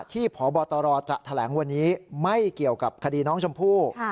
พบตรจะแถลงวันนี้ไม่เกี่ยวกับคดีน้องชมพู่